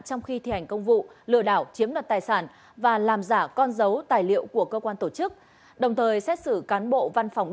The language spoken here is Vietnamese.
xin chào các bạn